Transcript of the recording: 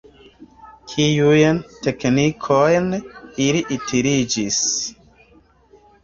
Kiujn teknikojn ili utiligis?